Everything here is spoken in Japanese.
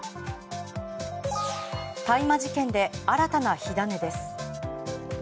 大麻事件で新たな火種です。